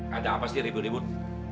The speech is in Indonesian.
ada apa sih ribut ribut